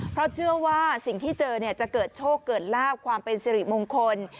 เพราะเชื่อว่าสิ่งที่เจอเนี่ยจะเกิดโชคเกิดลาบความเป็นสิริมงคล